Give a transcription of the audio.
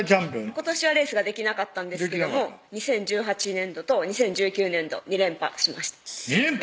今年はレースができなかったんですが２０１８年度と２０１９年度２連覇しました２連覇！